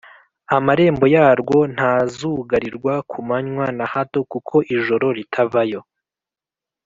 Amarembo yarwo ntazugarirwa ku manywa na hato kuko ijoro ritabayo